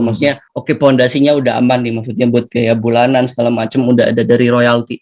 maksudnya oke fondasinya udah aman nih maksudnya buat kayak bulanan segala macem udah ada dari royalti